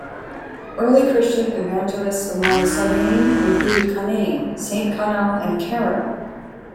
Early Christian evangelists among the Soghain included Conainne, Saint Connell and Kerrill.